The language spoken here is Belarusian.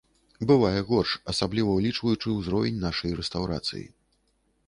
Бывае горш, асабліва ўлічваючы ўзровень нашай рэстаўрацыі.